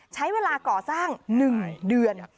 ใช้เวลาก่อสร้าง๑เดือน